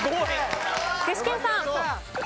具志堅さん。